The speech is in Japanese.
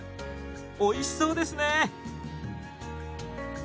おいしそうですね。